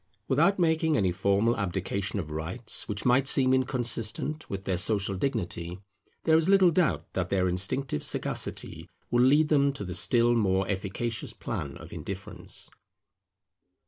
Without making any formal abdication of rights, which might seem inconsistent with their social dignity, there is little doubt that their instinctive sagacity will lead them to the still more efficacious plan of indifference.